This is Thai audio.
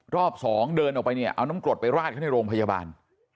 รอบสองเดินออกไปเนี่ยเอาน้ำกรดไปราดเขาในโรงพยาบาล